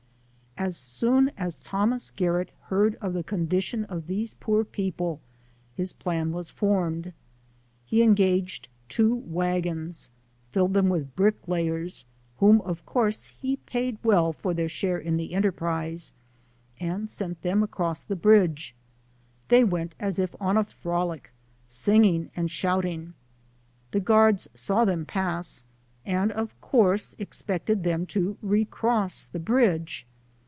As soon as Thomas Garrett heard of the condi tion of these poor people, his plan was formed. He engaged two wagons, filled them with brick layers, whom of course he paid well for their share in the enterprise, and sent them across the bridge. They went as if on a frolic, singing and shouting. The guards saw them pass, and of course expected them to re cross the bridge.